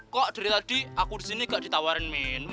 kok dari tadi aku di sini gak ditawarin minum